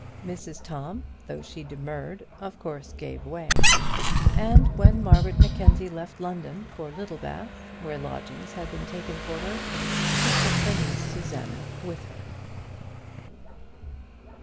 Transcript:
Mrs Tom, though she demurred, of course gave way; and when Margaret Mackenzie left London for Littlebath, where lodgings had been taken for her, she took her niece Susanna with her.